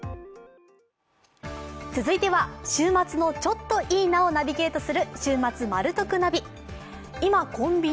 続いては週末のちょっといいなをナビゲートする「週末マル得ナビ」。